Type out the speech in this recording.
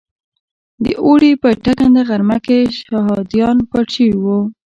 د اوړي په ټکنده غرمه کې شهادیان پټ شوي وو.